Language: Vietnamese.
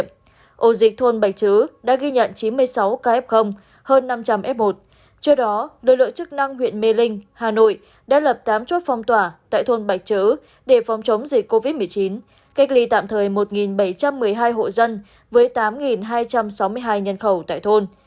trước đó đội lượng chức năng huyện mê linh hà nội đã lập tám chốt phong tỏa tại thôn bạch chứ để phòng chống dịch covid một mươi chín cách ly tạm thời một bảy trăm một mươi hai hộ dân với tám hai trăm sáu mươi hai nhân khẩu tại thôn